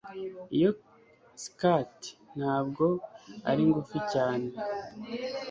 iyo skirt ntabwo ari ngufi cyane